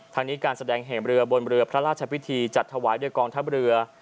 ทางนี้การแสดงแห่งเรือบนเรือพระราชพิธีจัดถวายโดยกองทัพเรือ